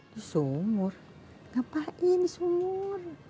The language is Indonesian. di sumur ngapain di sumur